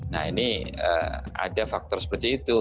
nah ini ada faktor seperti itu